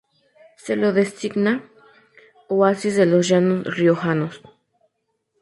Se lo designa ""Oasis de los Llanos Riojanos"".